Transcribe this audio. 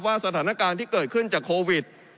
สถานการณ์ที่เกิดขึ้นจากโควิด